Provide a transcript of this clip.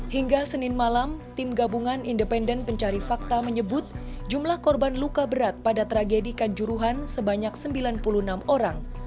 hingga senin malam tim gabungan independen pencari fakta menyebut jumlah korban luka berat pada tragedi kanjuruhan sebanyak sembilan puluh enam orang